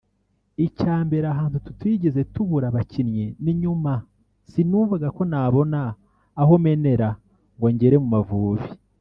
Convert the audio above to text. Icya mbere ahantu tutigeze tubura abakinnyi ni inyuma sinumvaga ko nabona aho menera ngo ngera mu Mavubi